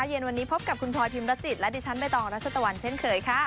เย็นวันนี้พบกับคุณพลอยพิมรจิตและดิฉันใบตองรัชตะวันเช่นเคยค่ะ